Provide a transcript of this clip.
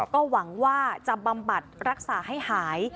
ก็หวังว่าจะบำบัดรักษาให้หาย